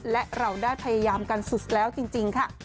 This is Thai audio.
และเราได้พยายามกันสุดแล้วจริงค่ะ